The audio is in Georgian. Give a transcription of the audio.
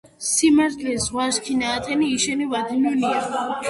სიმართლე ზღვას ქენაჸათენი იშენი ვადინუნია